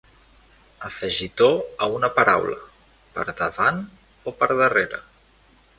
Afegitó a una paraula, per davant o per darrere.